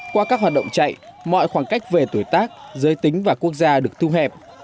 qua các hoạt động chạy mọi khoảng cách về tuổi tác giới tính và quốc gia được thu hẹp